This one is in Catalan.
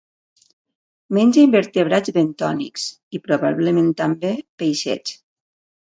Menja invertebrats bentònics i, probablement també, peixets.